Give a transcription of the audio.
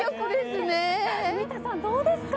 住田さん、どうですか？